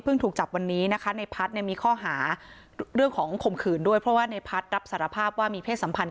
เพื่องถูกจับวันนี้ในพัฒน์มีข้อหาเรื่องของขมขืนด้วยเพราะในพัฒน์รับสารภาพว่ามีเพศสัมพันธ์